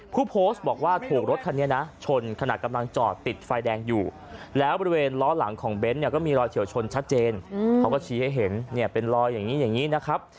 เป็นรอยอย่างนี้อย่างนี้นะครับ